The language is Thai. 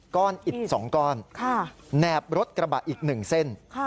ก้อนอิดสองก้อนแนบรถกระบะอีกหนึ่งเส้น